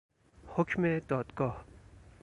حکم دادگاه